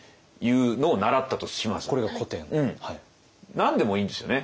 何でもいいんですよね。